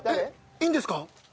いいんですか？